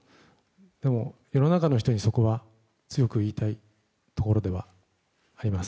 でも、世の中の人にそこは強く言いたいところではあります。